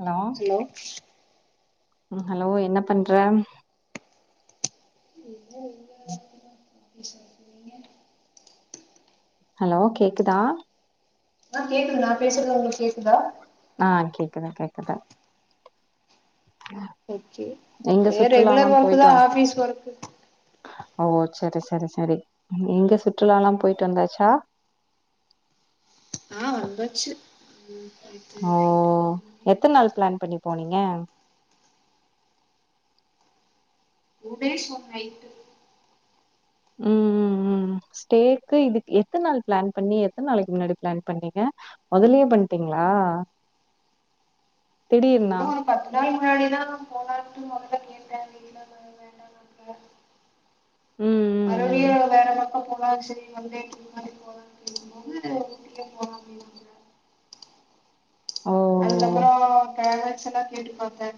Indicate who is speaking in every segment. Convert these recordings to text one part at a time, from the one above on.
Speaker 1: Hello
Speaker 2: hello
Speaker 1: hello என்ன பண்ற
Speaker 2: [inaudible]
Speaker 1: hello கேக்குதா
Speaker 2: அ கேக்குது நா பேசுறது உங்களுக்கு கேக்குதா
Speaker 1: ஆ கேக்குது கேக்குது [inaudible]
Speaker 2: ஓகே
Speaker 1: எங்க சுற்றுலாலா
Speaker 2: ரெகுலர் ஒர்க்
Speaker 1: போயிட்டு
Speaker 2: தா
Speaker 1: வந்
Speaker 2: ஆஃபீஸ் ஒர்க்கு
Speaker 1: ஓ சரி சரி சரி நீங்க சுற்றுலா லா போயிட்டு வந்தாச்சா
Speaker 2: ஆ வந்தாச்சி ம் நேத்து
Speaker 1: ஓ
Speaker 2: நைட்டு ஒரு மணி
Speaker 1: எத்தன்
Speaker 2: ஆச்சு
Speaker 1: நாள் பிளான் பண்ணி போனீங்க
Speaker 2: டூ டேஸ் ஒன் நைட்டு
Speaker 1: ம் ம் ம் ம் ஸ்டேக்கு இதுக்கு எத்த நாள் பிளான் பண்ணி எத்த நாளைக்கு முன்னாடி பிளான் பண்ணீங்க மொதல்லே பண்டிங்களா
Speaker 2: இல்ல பத்து நாள் முன்னாடிதா போலான்டு மொதல்ல கேட்ட இல்ல வேண்டா [unintelligible]
Speaker 1: ம் ம்
Speaker 2: மறுடியு
Speaker 1: ம்
Speaker 2: வேற பக்க போலா சரி வந்த இன்னிக்கி இது மாரி போற [inaudible] போ
Speaker 1: ஓ
Speaker 2: அதுக்கப்புறோ பேரன்ட்ஸ்ல்லா கேட்டு பாத்த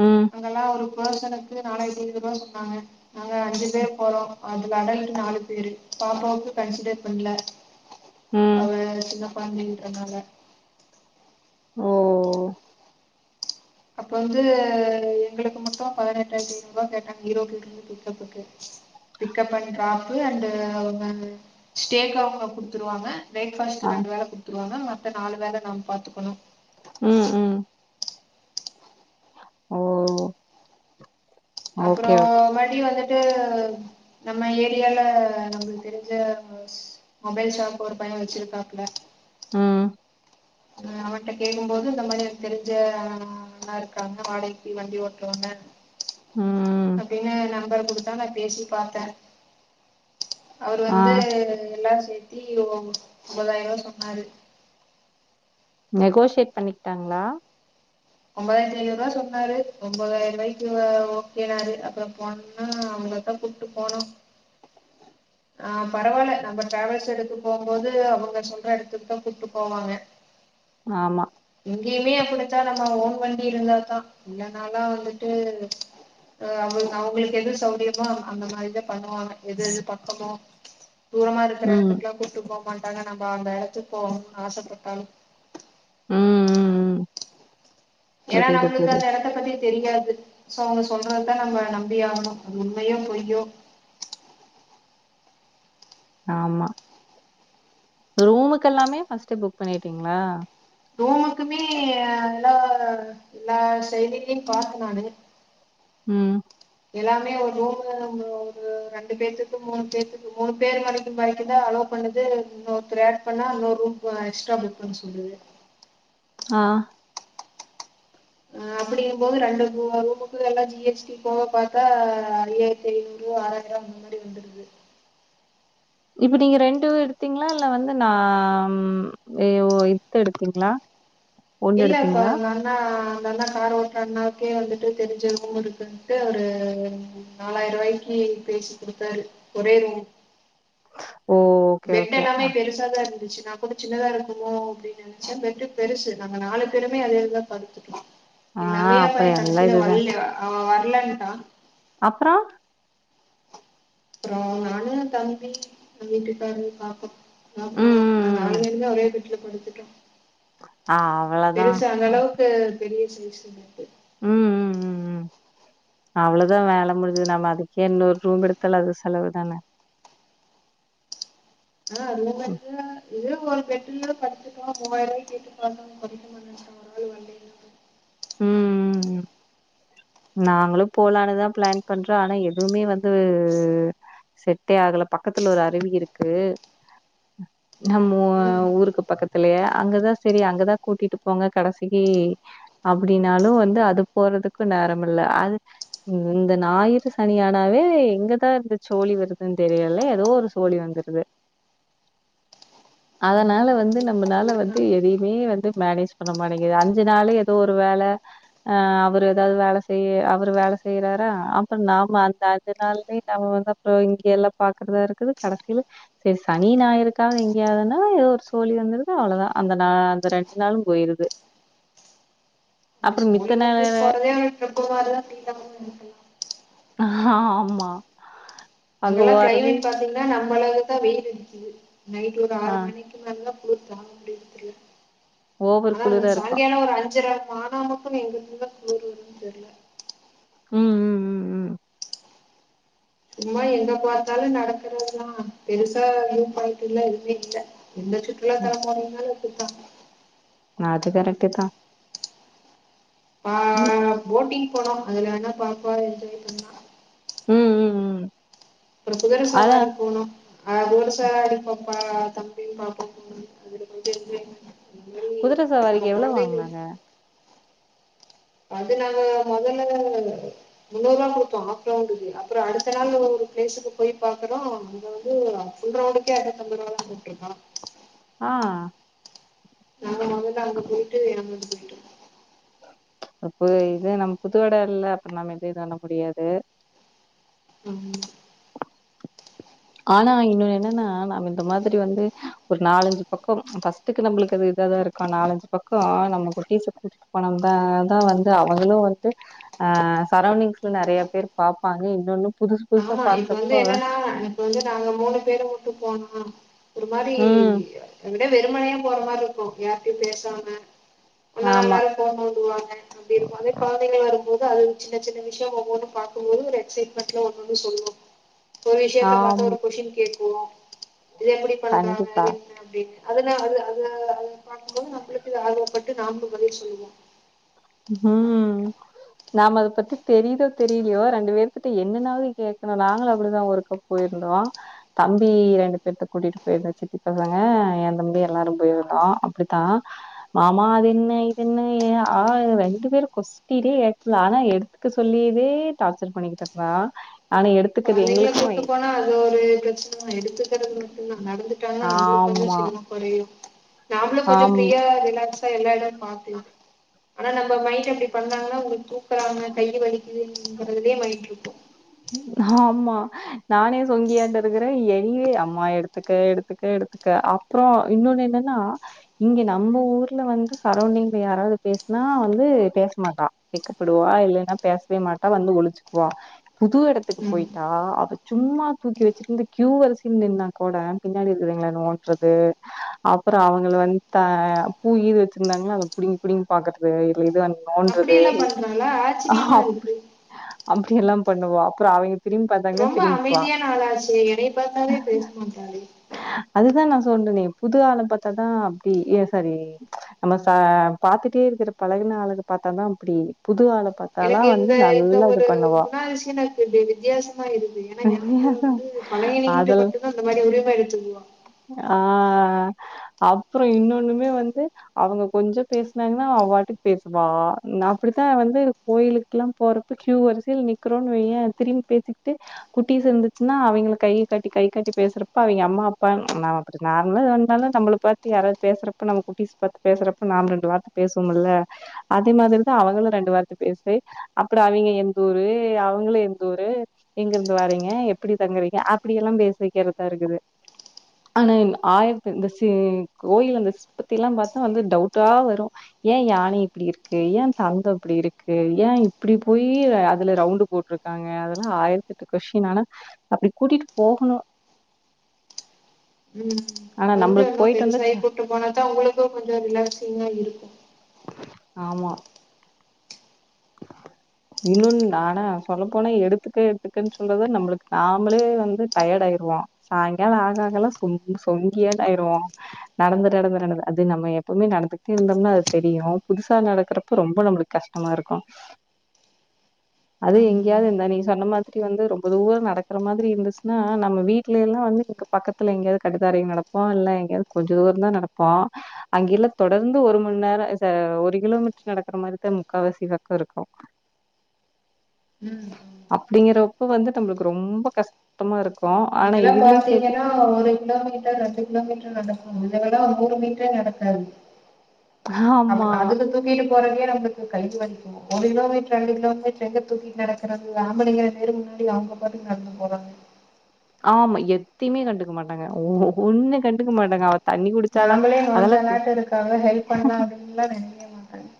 Speaker 1: ம்
Speaker 2: அங்கல்லா ஒரு போஷனுக்கு நாலாயிரத்திஐநூறுவா சொன்னாங்க நாங்க அஞ்சு பேர் போறோ அதுல அடல்ட்டு நாலு பேரு பாப்பாவுக்கு கன்சிடர் பண்ல
Speaker 1: ம்
Speaker 2: அவ சின்ன கொழந்தைன்ரனால
Speaker 1: ஓ
Speaker 2: அப்ப வந்து எங்களுக்கு மட்டு பதினெட்டாயிரத்தி ஐநூறுருவா கேட்டாங்க ஈரோட்ல இருந்து பிக்கப்புக்கு பிக்கப் அண்ட் டிராப் அவங்க ஸ்டேக் அவுங்க குடுத்துருவாங்க பிரேக்ஃபாஸ்ட்
Speaker 1: ஆ
Speaker 2: ரெண்டு வேலே கொடுத்துருவாங்க மத்த நாலு வேலே நம்ம பாத்துக்கணு
Speaker 1: ம் ம் ஓ
Speaker 2: அப்றோ
Speaker 1: ஓகே ஓகே
Speaker 2: ஒருமாட்டி வந்துட்டு நம்ம ஏரியாவால நம்மளுக்கு தெரிஞ்ச மொபைல் ஷாப் ஒரு பையன் வெச்சிருக்காப்பலே
Speaker 1: ம்
Speaker 2: அவன்ட்ட கேட்கும் போது இந்த மாரி எனக்கு தெரிஞ்ச ஆள் இருக்காங்க வாடைக்கு வண்டி ஓட்டுறவங்க
Speaker 1: ம்
Speaker 2: அப்டின்னா என் நம்பர் கொடுத்தான் நான் பேசி பாத்தேன் அவரு
Speaker 1: ஆ
Speaker 2: வந்து எல்லாரும் சேத்தி ஒ ஒன்பதாயிரம் ரூபா சொன்னாரு
Speaker 1: நெகோஷியேட் பண்ணிக்கிட்டாங்களா
Speaker 2: ஒன்பதாயிரத்தி ஐநூருவா சொன்னாரு ஒன்பதாயிரம் ரூபாய்க்கு ஓகேனாரு அப்பறம் பொண்ணு அவங்கள்ட போணோம் ஆ பரவாயில்ல நம்ம டிராவல்ஸ் எடுத்து போகும்போது அவங்க சொல்ற இடத்துக்கு தான் கூப்ட்டு போவாங்க [inaudible]
Speaker 1: ஆமா
Speaker 2: இங்கேமே அப்டித்தான் நம்ம ஓன் வண்டி இருந்தா தான் இல்லனாலா வந்துட்டு அவங்க அவங்களுக்கு எது சௌரியமோ அந்த மாரி தான் பண்ணுவாங்க எது எ ரெம்போ தூரமா இருக்கிற
Speaker 1: ம்.
Speaker 2: இடத்துக்குல்லாம் கூட்டு போமா நம்ம அந்த இடத்துக்கு போகணும்னு ஆசப்பட்டாலும்
Speaker 1: ம் ம் ம்
Speaker 2: எனா
Speaker 1: புரியுது,
Speaker 2: நம்ளுக்கு அந்த
Speaker 1: புரியுது.
Speaker 2: எடத்த பத்தி தெரியாது சோ அவுங்க சொல்றத நம்ப நம்பி ஆகணு அது உண்மையோ பொய்யோ
Speaker 1: ஆமா ரூமுக்குல்லாமே ஃபஸ்ட்டே புக் பண்ணிட்டீங்களா
Speaker 2: ரூமுக்குமே எல்லா எல்லா செயலிலியும் பாத்தே நானு
Speaker 1: ம்
Speaker 2: எல்லாமே ஒரு ரூம் ஒரு ரெண்டு பேத்துக்கு மூணு பேத்தக்கு மூணு பேர் பரைக் வரைக்குதா அலோவுட் புக் பண்ணது இன்னொருத்தர் ஆட் பண்ணா இன்னொரு ரூம் எக்ஸ்ட்ரா புக் பண்ண சொல்லுது
Speaker 1: ஆ
Speaker 2: அ அப்டிங்கம் போது ரெண்டு ரூ ரூமுக்கு எல்லாஞ் ஜி எச் டி போக பாத்தா ஐ எட் பெயிநூறுவா ஆறாயரா முன்னாடி வந்துடுது
Speaker 1: இப்ப நீங்க ரெண்டு எடுத்தீங்ளா இல்ல வந்து நாம் எ ஓ இத்த எடுத்தீங்ளா
Speaker 2: இல்ல அப்பா நானு நா அந்த அண்ணா கார் ஓட்ற அண்ணாவுக்கே வந்துட்டு தெரிஞ்ச ஊர் இருக்குன்ட்டு அவரு நாலாயிர ரூபாய்க்கு பேசி குடுத்தாரு ஒரே ரூம்
Speaker 1: ஓ ஓகே,
Speaker 2: பெட்
Speaker 1: ஓகே.
Speaker 2: எல்லாமே பெருசாதா இருந்துச்சு நாங்கூட சின்னதா இருக்குமோ அப்டினு லெச்சம் பெட்டு பெருசு நாங்க நாலு பேருமே அதேதா படுத்துப்போ எ
Speaker 1: ஆ
Speaker 2: நங்கையாப் பையே
Speaker 1: அப்புறம் எல்லாம்
Speaker 2: கடசில
Speaker 1: இதுதான்.
Speaker 2: வல்லே அவெ வர்லன்டா
Speaker 1: அப்றோ
Speaker 2: அப்றோ நானு தம்பி எங்க வீட்டுக்காரு பாத்தோ நாப்
Speaker 1: ம்,
Speaker 2: போனோ நாங்
Speaker 1: ம், ம்.
Speaker 2: நாலுபேருமே ஒரே பெட்ல படுத்துட்டோ
Speaker 1: ஆ அவ்வளதான்.
Speaker 2: பெருசா அந்த
Speaker 1: அ.
Speaker 2: அளவுக்கு பெ பெரிய சைசு பெட்டு
Speaker 1: ம் ம் ம் ம் அவ்ளதா வேல முடிஞ்சுது நம்ம அதுக்கே இன்னொர் ரூம் எடுத்தால அது செலவு தானே
Speaker 2: ஆ அதே
Speaker 1: ம்.
Speaker 2: மாரிக எதோ ஒரு பெட்டுல படுத்துகலா மூவாயிரவாய்க்கு [unintelligible] [unintelligible]
Speaker 1: ம் ம் நாங்ளுப் போலானுதா பிளான் பண்றோ ஆனா எதுவுமே வந் அது செட்டே ஆகல பக்கத்துல ஒரு அருவி இருக்கு நம்மோ
Speaker 2: உம்
Speaker 1: ஊருக்கு பக்கத் த்துலயே அங்கதா செரி அங்கதா கூட்டிட்டு போங்க கடசிக்கி அப்படின்னாலூ வந்து அது போறதுக்கூ நேரம் இல்ல அந் இந்த ஞாயிறு சனியானாவே எங்கதா இருந்த சோழி வருதுன் தெரியல எதோ ஒருச் சோழி வந்துருது
Speaker 2: [inaudible] ஆமா
Speaker 1: அதனால
Speaker 2: ஆமா
Speaker 1: வந்து
Speaker 2: அதையும்
Speaker 1: நம்மனால
Speaker 2: பாத்துதான
Speaker 1: வந்து
Speaker 2: ஆகணும்
Speaker 1: எதையுமே வந்து மேனேஜ் பண்ண மாட்டேங்கிது அஞ்சு நாளே து ஒரு வேல அ அவரு எதாவ்து வேல செய்ய அவரு வேல செய்யறாரா அப்பறோ நாம அந்த அஞ்சு நாளுமே நம்ம வந்தப் அப்புறம் இங்க எல்லா பாக்கிறதா இருக்குது கடசியில செரி சனி ஞாயிருக்காவது எங்கியாவுதுனா எதோ ஒரு சோழி வந்துருது அவ்ளதா அந்த நா அந்த ரெண்டு நாளும் போயிருது
Speaker 2: இப்ப
Speaker 1: அப்புறம் மித்த
Speaker 2: சோழி
Speaker 1: நேர
Speaker 2: வந்துட் போறதே இருக்குமாரு [unintelligible]
Speaker 1: ஆமா அங்க
Speaker 2: அங்கலா
Speaker 1: போறது
Speaker 2: கிளைமேட் பாத்தீங்னா நம்ம அளவுக்தா வெயில் இருக்குது நைட் ஒரு
Speaker 1: ஆ
Speaker 2: ஆறு மணிக்கு நல்லாக் குளிரு தாங்க முடிரதில்ல
Speaker 1: ஓவர்
Speaker 2: ஆனா
Speaker 1: குளிரா இருக்கும்.
Speaker 2: சாயங்கால ஒரு அஞ்சர மானா சமே எங்கிந்துதாக் குளுரு வரும் தெர்ல
Speaker 1: ம் ம் ம் ம்
Speaker 2: சும்மா எங்க பாத்தாலு நடக்கறதா பெருசா வியூ பாயின்ட்டு எல்லா எதுமே இல்ல எந்த சுற்றுலா தலம் போனீங்னாலு அப்டித்தா
Speaker 1: அது கரெட்டு தா
Speaker 2: ஆ
Speaker 1: ம்,
Speaker 2: போட்டிங் போனோ அதுல வேனா பாப்பா எஞ்சாய் பண்ணா
Speaker 1: ம் ம் ம்
Speaker 2: அப்றொ குதிர
Speaker 1: அதான்
Speaker 2: சவாரி போனோ அது ஒரு [unintelligible] பப்பா தம்பி மாமா [unintelligible] இந்த மாரி
Speaker 1: குதிரை
Speaker 2: நம்ம
Speaker 1: சவாரிக்கு எவ்வளோ
Speaker 2: கொழந்தைகளுக்கு
Speaker 1: வாங்குனாங்க?
Speaker 2: அது நாங்க மொதல்ல முன்னூறு ரூபா குடுத்தோம் ஆஃப் ரவுண்டுக்கு அப்றம் அடுத்த நாள் ஒரு பிளேஸுக்கு போய் பாக்குறோம் அங்க வந்து உங்க ரோடுக்கே இரநூத்தம்பதுரூபா தா கூப்ட்ருக்கா
Speaker 1: ஆ
Speaker 2: நாங்க வந்து அங்க போயிட்டு [unintelligible] போயிட்டோம்
Speaker 1: அப்ப இது நம்ம புது எட இல்ல அப்றொ நாம இதே தாண்ட முடியாது
Speaker 2: ம்
Speaker 1: ஆனா இன்னொன்னு என்னன்னா நாம இந்த மாதிரி வந்து ஒரு நாலஞ்சு பக்கம் பஸ்ட் துக்கு நம்மளுக்கு அது இதா தா இருக்கு நாலஞ்சு பக்கொ நம்ம [unintelligible] பணம் தா அதா வந்து அவங்களு வந்து ஆ சரௌண்டிங்ஸ்ல நெறைய பேர் பாப்பாங்க இன்னொன்னு புதுசு புதுசா
Speaker 2: ஆமா இப்ப வந்து
Speaker 1: பாக்குறப்ப
Speaker 2: என்னன்னா இப்ப வந்து நாங்க மூணு பேரும் வுட்டு போனோ ஒரு மாரி
Speaker 1: ம்.
Speaker 2: அப்டியே வெறுமனையா போற மாரி இருக்கும் யாரிட்டயும் பேசாம ஒண்ணா
Speaker 1: ஆமா.
Speaker 2: எல்லாரும் போ போன்னு சொல்வாங்க அப்டி இருக்கு அதே கொழந்தைகள்னு வரும்போது அது சின்ன சின்ன விஷ்யொ ஒவ்வொன்னு பாக்கும்போது ஒரு எக்சைட்மெண்ட்ல ஒன்னொன் போய் சொல்லும் ஒரு விஷயத்த பாத்து
Speaker 1: ஆமா.
Speaker 2: ஒரு கொஷின் கேக்கும் இது எப்டி பண்றாங்க
Speaker 1: கண்டிப்பா.
Speaker 2: இது என்ன அப்டின் அதெல்லாம் அது அத பாக்கும்போது நம்மளுக்குது ஆர்வப்பட்டு நாம பதில் சொல்வோம்
Speaker 1: பூ நாம அத பத்தி தெரியுதோ தெரியலையோ ரெண்டு பேத்த என்னன்னாவது கேக்ணு நாங்களு அப்டிதா ஒரு பக் போயிருந்தோ தம்பி ரெண்டு பேர்த்த கூட்டிட்டு போயிருந்துச்சி சித்தி பசங்க என் தம்பி எல்லாரும் போயிருந்தோம் அப்டித்தா மாமா அது என்ன இது என்ன ஏ ஆ ரெண்டு பேரு கொஸ்டின்னே கேக்கல ஆனா எடுத்துக்க சொல்லியவே டார்ச்சர் பண்ணிக்கிட்ருக்றா ஆனா எடுத்
Speaker 2: கொழந்தைகள கூப்ட்டு போனா அது ஒரு பிரச்சனதா எடுத்துக்கறது மட்டுந்தா நடந்து கிட்டாதா நம்மளுக்கு கொஞ்ச
Speaker 1: ஆமா.
Speaker 2: சிரமம் கொறயு நாமளு கொஞ்ச
Speaker 1: ஆம்
Speaker 2: பிரீயா ரிலாக்ஸ் போய் எல்லா எடம் பாக்கலா ஆனா நம்ம மயின்ட் அப்டி பண்ணாங்கன்னா உங்க தூக்குறாங்க கை வலிக்குங்கறதுலயே மயின்ட் ருக்கு
Speaker 1: ஆமா நானே சொங்கியாட்டு இருக்குற என்னயே அம்மா எடுத்துக்க எடுத்துக்க எடுத்துக்க ப்புறோ இன்னொன்னு என்னன்னா இங்க நம்ம ஊர்ல வந்து சரவ்ண்டிங்ல யாராவது பேசுனா வந்து பேசமாட்டா வெக்கப்படுவா இல்லன்னா பேஸ்வே மாட்டா வந்து ஒழிச்சுக்வா புது எடத்துக்கு
Speaker 2: ம்
Speaker 1: போயிட்டா அவ சும்மா தூக்கி வச்சுட்டு இருந்து கியூ வரிசைல நின்னா கூட பின்னாடி இருக்குறவங்கள நோன்றது அப்பறோ அவங்கள வந்து த பூ கீது வச்சிருந்தாங்கன்னா அத புடிங்கி புடிங்கி பாக்குறது இல்ல இது
Speaker 2: அப்டியெல்லா பண்றாளா ஆச்சரியமா
Speaker 1: அப்டி
Speaker 2: இருக்கு
Speaker 1: அப்டி எல்லாம் பண்ணுவா அப்றம் அவி
Speaker 2: ரொம்ப அமைதியான ஆளாச்சே என்னைய பாத்தாவே பேச மாட்டாளே
Speaker 1: அதுதா நா சொல்னனே புது ஆள பாத்தாதா அப்டி ஏ சாரி நம்ம ச பாத்துட்டே இருக்கிற பழகுன ஆளுக பாத்தா தா அப்டி புது ஆள பா
Speaker 2: எனக்கு இந்த இந்த ஒரு குணாதிசயமே கொஞ்சோ வித்தியாசமா இருக்குது ஏன்னா என் புள்ள
Speaker 1: வித்தியாசம்.
Speaker 2: வந்து பழகுனவுங்க கிட்ட
Speaker 1: அதெல்
Speaker 2: மட்டும்தா அந்த மாரி உரிம எடுத்துக்குவா
Speaker 1: ஆ அப்பறோ இன்னொன்னுமே வந்து அவுங்க கொஞ்சோ பேசனாங்கன்னா அவ வாட்டுக்கு பேசுவா நா அப்புடித்தா வந்து கோயிலுக்குல்லா போறப்ப கியூ வரிசையில் நிக்குறோன் வையே திரும்பி பேசிக்கிட்டு குட்டீஸ் இருந்துச்சுன்னா அவெங்கள கைய காட்டி கைய காட்டி பேசுறப்ப அவெங்க அம்மா அப்பா ந நார்மலு வந்தாலு நம்மளுக் பத்தி யாராவது பேசுறப்ப நம்ம குட்டிஸ் பாத்து பேசுறப்ப நாம ரெண்டு வார்த்த பேசுவோமுல்ல அதே மாதிரிதா அவங்களு ரெண்டு வார்த்த பேசு அப்பறோ அவெங்க எந்த ஊரு அவுங்களு எந்த ஊரு எங்க இருந்து வாரீங்க எப்புடி தங்குறீங்க அப்டியெல்லா பேச வைக்கிறதா இருக்குது ஆனா என் ஆயிரத்து இந்த சிற் கோயில்ல இந்த சிற்பத்தியெல்லா பாத்தா வந்து டவுட்டா வரு ஏ யானை இப்புடி இருக்கு ஏ தந்தம் இப்புடி இருக்கு ஏ இப்புடி போயி அதுல ரவுண்ட் டு போட்ருக்காங்க அதெல்லா ஆயிரத் எட்டு கொஷ்டின் ஆனா அப்பிடி கூட்டிட்டு போகணு
Speaker 2: உம்
Speaker 1: ஆனா,
Speaker 2: கொஞ்சோ
Speaker 1: நம்மளுக்கு
Speaker 2: இன்னும்
Speaker 1: போயிட்டு வந்தா ச்ச
Speaker 2: பெருசாயி கூட்டு போனத்தான் உங்களுக்கும் கொஞ்சோ ரிலாக்ஸ்சிங்கா இருக்கும்
Speaker 1: ஆமா இன்னொன்னு ஆனா சொல்லப்போன எடுத்துக்க எடுத்துக்கன்னு சொல்றது நம்மளுக்கு நாமளே வந்து டயர்ட் ஆயிருவோம் சாய்ங்கால ஆக ஆகலா சொங் சொங்கியாட்டு ஆயிருவோ நடந்து நடந்து நடந்து அது நம்ம எப்பவுமே நடந்துகிட்டே இருந்தோம்னா அது தெரியும் புதுசா நடக்கிறப்ப ரொம்ப நம்மளுக்கு கஷ்டமா இருக்கும் அது
Speaker 2: ஆமா
Speaker 1: எங்கேயாவது இந்தா நீ சொன்ன மாதிரி வந்து ரொம்ப தூரம் நடக்கிற மாதிரி இருந்துச்சுன்னா நம்ம வீட்டுல எல்லாம்ந்து பக்கத்து த்துல எங்கேயாவது கடிதாரையும் நடப்போம் இல்ல எங்கேயாவது கொஞ்ச தூர தான் நடப்போம் அங்கெல்லா தொடர்ந்து ஒரு மண் நேரொ ச ஒரு கிலோமீட்டர் நடக்கிற மாரிதா முக்காவாசி வரு இருக்கூ இருக்கூ
Speaker 2: ம் ம்
Speaker 1: அப்பிடிங்கறப்போ வந்து நம்மளுக்கு ரொம்ப கஷ்டமா இருக்கூ ஆனா
Speaker 2: இங்கெல்லா
Speaker 1: இதுகலயு சேர்த்து
Speaker 2: பாத்தீங்கன்னா ஒரு கிலோமீட்டர் ரெண்டு கிலோமீட்டர் நடக்கும் இதவல்லாம் நூறு மீட்டர் நடக்காது அ
Speaker 1: ஆமா,
Speaker 2: அதுக்கு தூக்கிட்டு போறக்கே நம்மளுக்கு கைது வந்து ஒரு கிலோமீட்டர் ரெண்டு கிலோமீட்டர் எங்க தூக்கிட்டு நடக்கிறது ஆம்பளைங்க பேரு முன்னாடி அவுங்க பாட்டுக்கு நடந்து போறாங்க
Speaker 1: ஆமா எத்தையுமே கண்டுக்க மாட்டாங்க ஓ ஒண்ணு கண்டுக்க மாட்டாங்க தண்ணி குடிச்சாளா
Speaker 2: நாமளே
Speaker 1: அதெல்லாம் கு
Speaker 2: நோஞ்சாணாட்டோ இருக்காங்க ஹெல்ப் பண்ணலா அப்டின்ல்லா நெனக்கயே மாட்டாங்க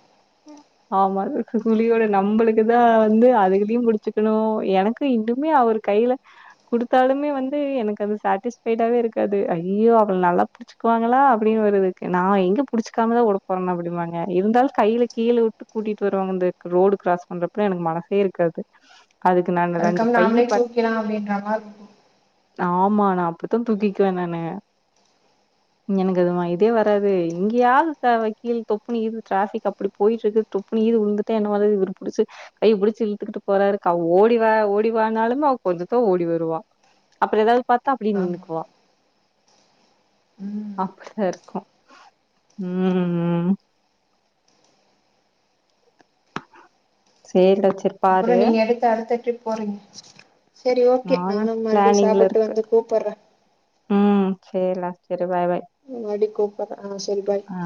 Speaker 1: ஆமா கு குழியோட நம்பளுக்கு தா வந்து அதுலயு புடிச்சிக்கணு எனக்கு இன்னுமே அவருக் கையில குடுத்தாலுமே வந்து எனக்கு அது சாட்டிஸ் பைடாவே இருக்காது ஐயோ அவள் நல்லா ச்சிக்குவாங்களா அப்டின்னு வருது க நா எங்க புடிச்சக்காமதா ஒட போறனா அப்டிம்பாங்க இருந்தாலு கைய்ல கீழ வுட்டு கூட்டிட்டு வருவாங்க இந்த ரோடு கிராஸ் பண்றப்பலா எனக்கு மனசே இருக்காது அதுக்கு நானு ரெண்டு
Speaker 2: அதுக்காம
Speaker 1: பைய்யி
Speaker 2: நாமளே
Speaker 1: பத்
Speaker 2: தூக்கிலா அப்படின்ற மாரி இருக்கு
Speaker 1: ஆமா நா அப்டி தா தூக்கிக்வே நானு எனக்கு அது ம இதே வராது இங்யாது த வக்கீல் தொப்புன்னு இது ட்ராபிக் அப் இப்டி போயிட்ருக்கு தொப்புன்னி இது வுழுந்துட்டா என்னவாது இவரு புடிச்சு கைய புடிச்சி இழுத்துக்கிட்டு போறாருக் அவ ஓடிவா ஓடி வானாலுமே அவ கொஞ்சத்தா ஓடி வருவா அப்புற எதாவது பாத்தா அப்டி
Speaker 2: ஆமா
Speaker 1: நின்னுக்குவா
Speaker 2: ம்
Speaker 1: அப்டிதா இருக்கு ம் ம் சேரி டா வச்
Speaker 2: அப்புற நீங்க எதுக்கு அடுத்த ட்ரிப் போறீங்க செரி ஓகே நானு மறுபடி
Speaker 1: பிளானிங்ல
Speaker 2: சாப்புட்டு
Speaker 1: இருக்கு
Speaker 2: வந்து கூப்புற்ற
Speaker 1: ம் செர்ல செரி பாய் பாய்
Speaker 2: ம் மர்டி கூப்பட்ர ஆ செரி பாய்
Speaker 1: ஆ